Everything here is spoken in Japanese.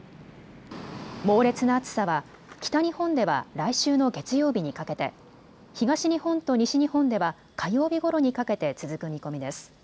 猛烈な暑さは北日本では来週の月曜日にかけて、東日本と西日本では火曜日ごろにかけて続く見込みです。